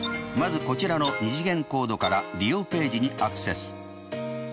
まずこちらの２次元コードから利用ページにアクセス。